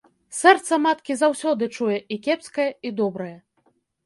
Сэрца маткі заўсёды чуе і кепскае і добрае.